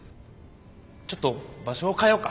ちょっと場所を変えようか。